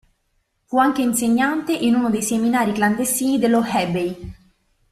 Fu anche insegnante in uno dei seminari clandestini dello Hebei.